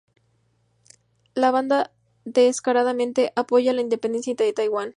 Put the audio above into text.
La banda descaradamente apoya la independencia de Taiwán.